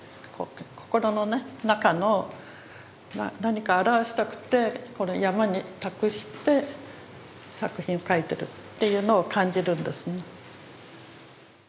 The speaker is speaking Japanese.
心のね中の何か表したくて山に託して作品を描いてるっていうのを感じるんですね。